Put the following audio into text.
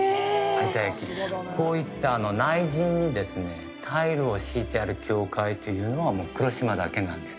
こういった内陣にタイルを敷いてある教会というのはもう黒島だけなんです。